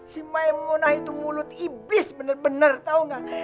si maya munah itu mulut iblis bener bener tau gak